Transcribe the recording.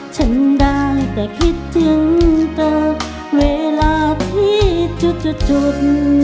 ฉันได้แต่คิดถึงเธอเวลาที่จุด